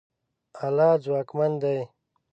الله ځواکمن دی.